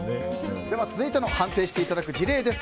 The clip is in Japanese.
続いての判定していただく事例です。